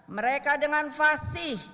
mereka dengan fasih